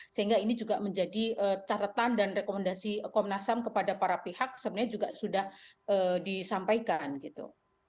sehingga ini juga menjadi catatan dan rekomendasi komnas ham kepada para pihak sebenarnya juga sudah disampaikan gitu